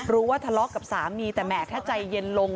รู้ว่าทะเลาะกับสามีแต่แหมถ้าใจเย็นลง